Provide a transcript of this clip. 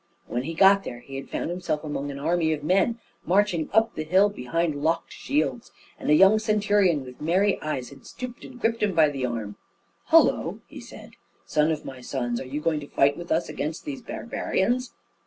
When he got there, he had found himself among an army of men marching up the hill behind locked shields, and a young centurion with merry eyes had stooped and gripped him by the arm. "Hullo!" he said; "son of my sons, are you going to fight with us against these barbarians?"